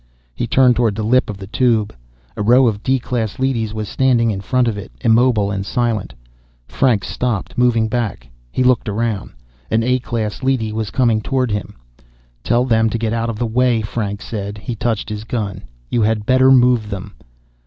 He turned toward the lip of the Tube. A row of D class leadys was standing in front of it, immobile and silent. Franks stopped, moving back. He looked around. An A class leady was coming toward him. "Tell them to get out of the way," Franks said. He touched his gun. "You had better move them."